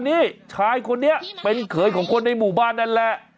นี่ชายคนนี้เป็นเขยของคนในหมู่บ้านนั่นแหละ